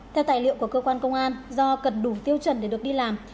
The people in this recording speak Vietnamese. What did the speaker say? theo tài liệu của cơ quan công an do cần đủ tiêu chuẩn để được đi làm